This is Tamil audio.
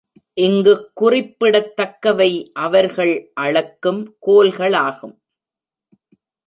இங்குக் குறிப்பிடத்தக்கவை அவர்கள் அளக்கும் கோல்களாகும்.